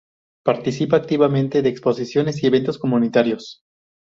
Participa activamente de exposiciones y eventos comunitarios.